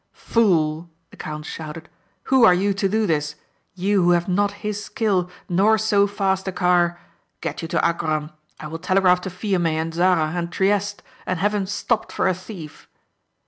"Fool," the count shouted, "Who are you to do this, you who have not his skill nor so fast a car! Get you to Agram. I will telegraph to Fiume and Zara and Trieste and have him stopped for a thief."